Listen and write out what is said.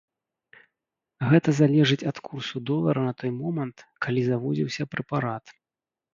Гэта залежыць ад курсу долара на той момант, калі завозіўся прэпарат.